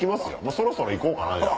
そろそろ行こうかなじゃあ。